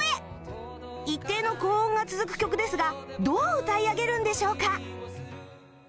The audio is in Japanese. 一定の高音が続く曲ですがどう歌い上げるんでしょうか？